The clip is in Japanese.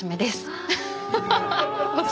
ハハハ！